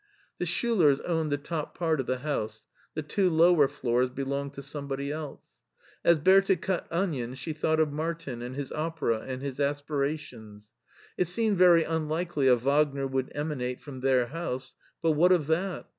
The Schiilers owned the top part of the house; the two lower floors belonged to somebody else. As Bertha cut onions she thought of Martin and his opera and his aspirations. It seemed very unlikely a Wagner would emanate from their house, but what of that?